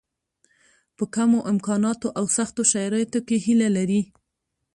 په کمو امکاناتو او سختو شرایطو کې هیله لري.